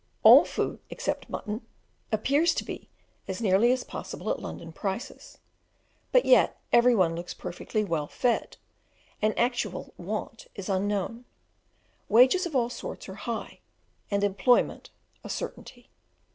All food (except mutton) appears to be as nearly as possible at London prices; but yet every one looks perfectly well fed, and actual want is unknown. Wages of all sorts are high, and employment, a certainty.